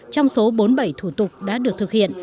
trong số bốn mươi bảy thủ tục đã được thực hiện